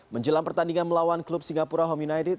menjelang pertandingan melawan klub singapura home united